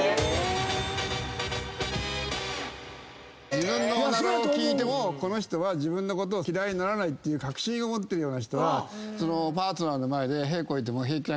自分のおならを聞いてもこの人は自分のこと嫌いにならないって確信持ってるような人はパートナーの前で屁こいても平気な顔してて。